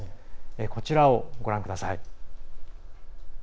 こちらをご覧ください。